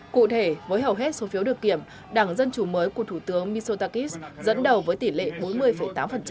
cụ thể với hầu hết số phiếu được kiểm đảng dân chủ mới của thủ tướng mitotakis dẫn đầu với tỷ lệ bốn mươi tám